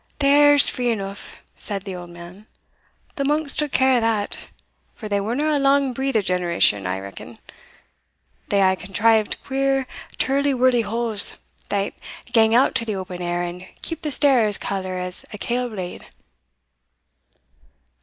"The air's free eneugh," said the old man; "the monks took care o' that, for they werena a lang breathed generation, I reckon; they hae contrived queer tirlie wirlie holes, that gang out to the open air, and keep the stair as caller as a kail blade."